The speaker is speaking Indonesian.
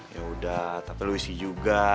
yaudah tapi lu isi juga